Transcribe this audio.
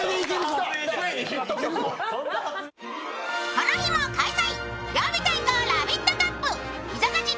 この日も開催。